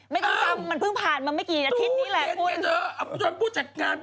ไม่ต้องจำมันเพิ่งผ่านมาไม่กี่อาทิตย์นี้แหละ